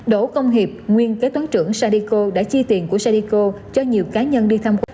đỗ công hiệp nguyên kế toán trưởng sadiko đã chi tiền của sadiko cho nhiều cá nhân đi thăm ô